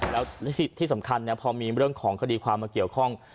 แล้วที่สำคัญพอมีเรื่องของคดีความมาเกี่ยวข้อง